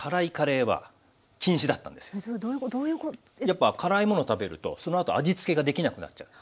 やっぱ辛い物食べるとそのあと味付けができなくなっちゃう。